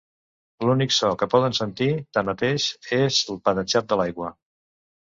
L'únic so que poden sentir, tanmateix, és el patatxap de l'aigua.